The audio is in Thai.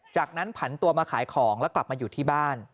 จากนั้นผันตัวมาขายของแล้วกลับมาอยู่ที่บ้าน